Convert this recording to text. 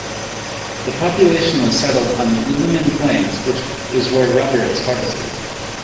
The population was settled on the Ulliman Plains, which is where rubber is harvested.